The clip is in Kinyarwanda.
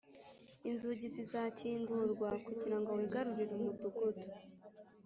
Inzugi zizakingurwa kugira ngo wigarurire umudugudu